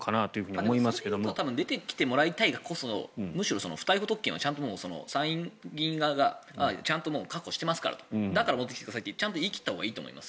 それを言うと出てきてもらいたいがこそのむしろ不逮捕特権は参議院側がちゃんと確保していますからだから戻ってきてくださいと言い切ったほうがいいと思います。